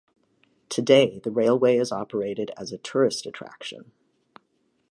Today, the railway is operated as a tourist attraction.